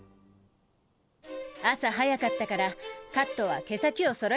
朝早かったからカットは毛先をそろえる程度にしといた。